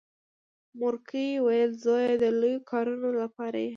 مورکۍ ویل زويه د لويو کارونو لپاره یې.